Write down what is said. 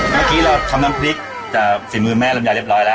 เมื่อกี้เราทำน้ำพริกจากศิลป์แม่รำยาเรียบร้อยละ